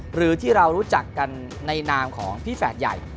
หรือที่เรารู้จักกันในนามของพี่แฝดใหญ่